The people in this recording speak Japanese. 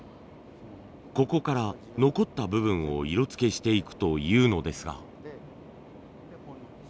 ここから残った部分を色つけしていくというのですが。